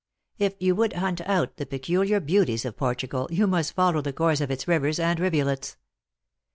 If you would hunt out the peculiar beauties of Portugal, you must follow the course of its rivers and rivulets.